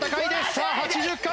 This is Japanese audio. さあ８０回。